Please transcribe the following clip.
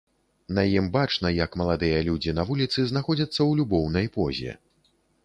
На ім бачна, як маладыя людзі на вуліцы знаходзяцца ў любоўнай позе.